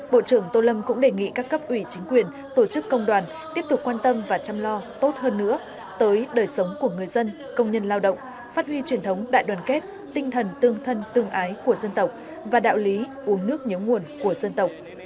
bộ trưởng tô lâm cũng đề nghị các cấp ủy chính quyền tổ chức công đoàn tiếp tục quan tâm và chăm lo tốt hơn nữa tới đời sống của người dân công nhân lao động phát huy truyền thống đại đoàn kết tinh thần tương thân tương ái của dân tộc và đạo lý uống nước nhớ nguồn của dân tộc